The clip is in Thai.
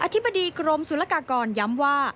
อธิบดีกรมศูนย์ละกากรย้ำว่า